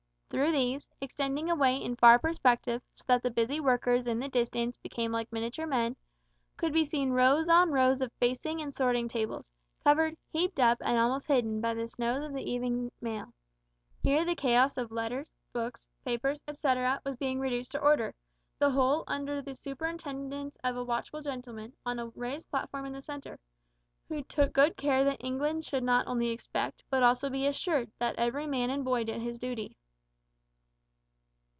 Through these extending away in far perspective, so that the busy workers in the distance became like miniature men could be seen rows on rows of facing and sorting tables, covered, heaped up, and almost hidden, by the snows of the evening mail. Here the chaos of letters, books, papers, etcetera, was being reduced to order the whole under the superintendence of a watchful gentleman, on a raised platform in the centre, who took good care that England should not only expect, but also be assured, that every man and boy did his duty.